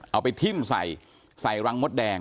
เอาไปทิ้มใส่ใส่รังมดแดง